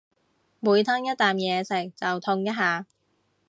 每吞一啖嘢食就痛一下